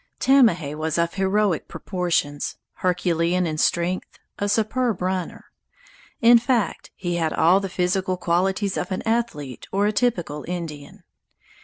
Tamahay was of heroic proportions, herculean in strength, a superb runner; in fact, he had all the physical qualities of an athlete or a typical Indian.